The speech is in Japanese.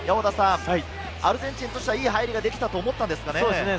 アルゼンチンとしては、いい入りができたと思ったんですけれどね。